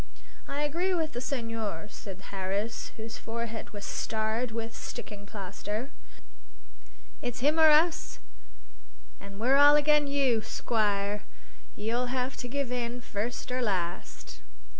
"I agree with the senhor," said Harris, whose forehead was starred with sticking plaster. "It's him or us, an' we're all agen you, squire. You'll have to give in, first or last."